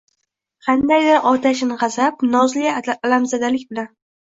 qandaydir otashin gʼazab, nozli alamzadalik bilan.